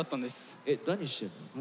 え何してんの？